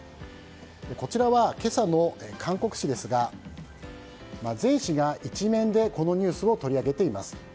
こちらは、今朝の韓国紙ですが全紙が１面で、このニュースを取り上げています。